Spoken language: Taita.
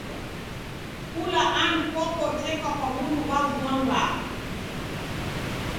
Kula andu kokoteka kwa w'undu ghwa vua mbaa.